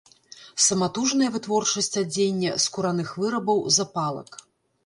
Саматужная вытворчасць адзення, скураных вырабаў, запалак.